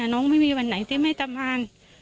น้องไม่มีวันไหนที่ไม่ทำงาน